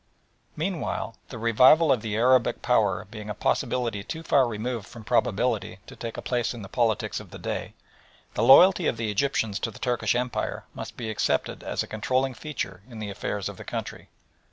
Meanwhile the revival of the Arabic power being a possibility too far removed from probability to take a place in the politics of the day, the loyalty of the Egyptians to the Turkish Empire must be accepted as a controlling feature in the affairs of the country.